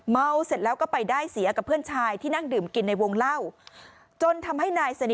เมาเสร็จแล้วก็ไปได้เสียกับเพื่อนชายที่นั่งดื่มกินในวงเหล้า